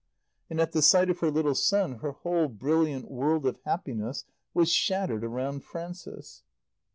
And at the sight of her little son her whole brilliant world of happiness was shattered around Frances.